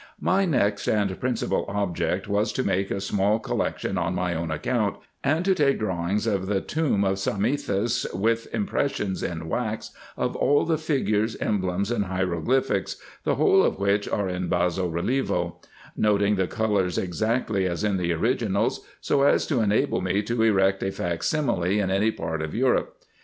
My next and principal object was to make a small collection on my own account, and to take drawings of the tomb of Psammethis, with impressions in wax of all the figures, emblems, and hiero glyphics, the whole of which are in basso relievo; noting the colours exactly as in the originals, so as to enable me to erect a fac simile in any part of Europe.